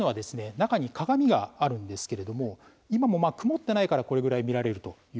中に鏡があるんですけれども今も曇ってないからこれぐらい見られるということなんです。